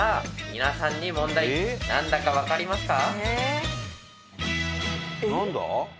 皆さんに問題何だか分かりますか？